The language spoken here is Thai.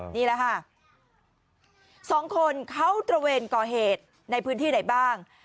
นี่แหละค่ะสองคนเขาตระเวนก่อเหตุในพื้นที่ไหนบ้าง